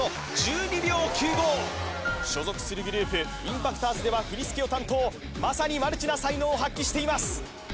ＩＭＰＡＣＴｏｒｓでは振り付けを担当まさにマルチな才能を発揮しています